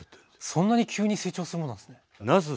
そんなに急に成長するものなんですね。